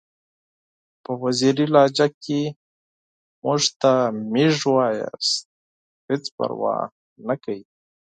په وزیري لهجه کې که موږ ته میژ ووایاست هیڅ پروا نکوي!